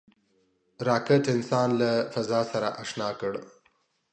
راکټ انسان له فضا سره اشنا کړ